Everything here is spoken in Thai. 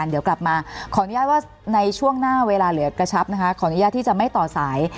เดี๋ยวกลับมาขออนุญาตว่าในช่วงหน้าเวลาเหลือกระชับนะคะขออนุญาตที่จะไม่ต่อสาย